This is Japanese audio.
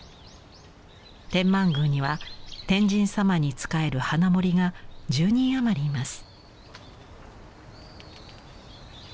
天満宮には天神さまに仕える花守が１０人余りいます。